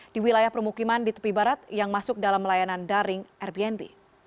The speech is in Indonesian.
di wilayah permukiman di tepi barat yang masuk dalam layanan daring airbnb